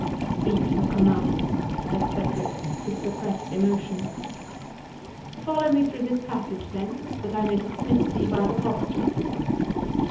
"Speak your commands," said Cedric, with suppressed emotion. "Follow me through this passage, then, that I may dismiss thee by the postern."